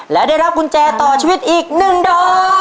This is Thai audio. และได้รับกุญแจต่อชีวิตอีก๑ดอก